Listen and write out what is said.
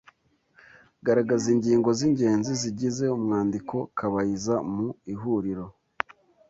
Garagaza ingingo z’ingenzi zigize umwandiko Kabayiza mu ihuriro